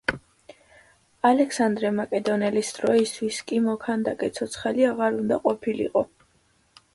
ალექსანდრე მაკედონელის დროისთვის, კი მოქანდაკე ცოცხალი აღარ უნდა ყოფილიყო.